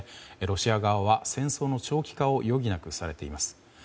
ロシア側は戦争の長期化を余儀なくされています。